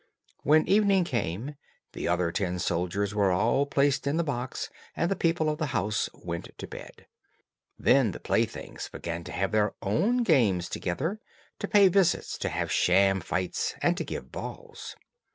When evening came, the other tin soldiers were all placed in the box, and the people of the house went to bed. Then the playthings began to have their own games together, to pay visits, to have sham fights, and to give balls.